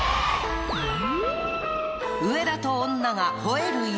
『上田と女が吠える夜』！